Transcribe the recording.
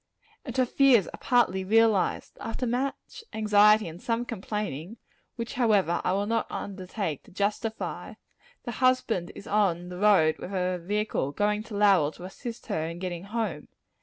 And her fears are partly realized. After much anxiety and some complaining which, however, I will not undertake to justify the husband is on the road with a vehicle, going to Lowell to assist her in getting home.